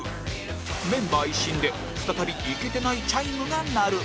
メンバー一新で再びイケてないチャイムが鳴る